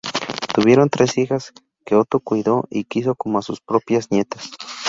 Tuvieron tres hijas, que Otto cuidó y quiso como a sus propias nietas.